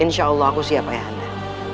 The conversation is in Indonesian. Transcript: insya allah aku siap ya anda